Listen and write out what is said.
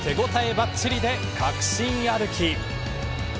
ばっちりで確信歩き。